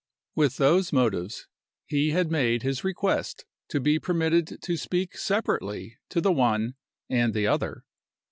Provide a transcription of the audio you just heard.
With those motives, he had made his request to be permitted to speak separately to the one and the other.